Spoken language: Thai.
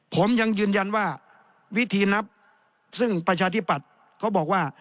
ผมยังยืนยันว่าวิธีนับซึ่งประชาธิปัตย์เขาบอกว่า